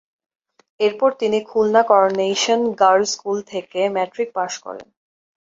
এরপর তিনি Khulna coronation girls school থেকে মেট্রিক পাস করেন।